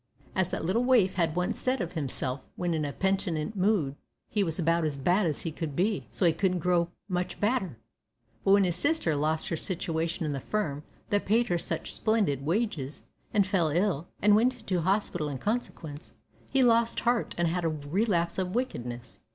As that little waif had once said of himself, when in a penitent mood, he was about as bad as he could be, so couldn't grow much badder. But when his sister lost her situation in the firm that paid her such splendid wages, and fell ill, and went into hospital in consequence, he lost heart, and had a relapse of wickedness.